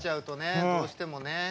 どうしてもね。